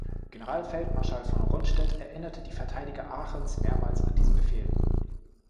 Generalfeldmarschall von Rundstedt erinnerte die Verteidiger Aachens mehrmals an diesen Befehl.